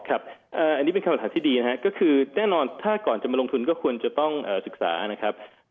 อันนี้เป็นคำถามที่ดีนะครับก็คือแน่นอนถ้าก่อนจะมาลงทุนก็ควรจะต้องศึกษานะครับ